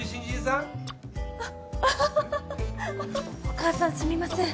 お母さんすみません。